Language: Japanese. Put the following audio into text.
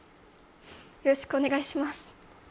よろしくお願いします。